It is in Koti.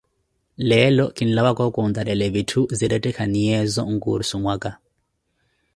Leelo kinlawa wookontarelani vitthu zinretikhanaye so nkursu mwaka.